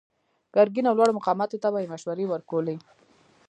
ګرګين او لوړو مقاماتو ته به يې مشورې ورکولې.